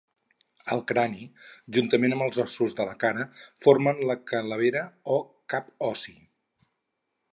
El crani, juntament amb els ossos de la cara, forma la calavera o cap ossi.